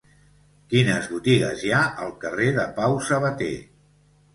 Quines botigues hi ha al carrer de Pau Sabater?